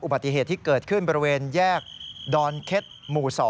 ปฏิเหตุที่เกิดขึ้นบริเวณแยกดอนเค็ดหมู่๒